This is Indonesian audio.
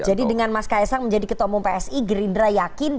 oke jadi dengan mas ksang menjadi ketua umum psi gerindra yakni